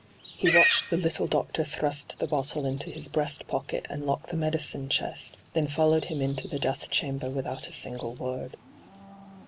He watched the little doctor thrust the bottle into his breast pocket and lock the medicine chest, then followed him into the death chamber without a eingle word.